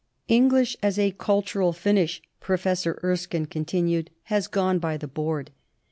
"English as a cultural finish," Professor Er skine continued, "has gone by the board.